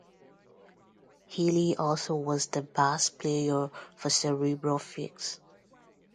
Healy also was the bass player for Cerebral Fix.